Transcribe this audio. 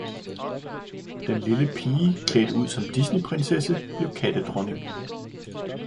Den lille pige klædt ud som en disneyprinsesse blev kattedronning.